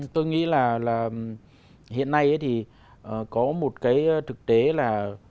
tôi nghĩ là hiện nay thì có một cái thực tế là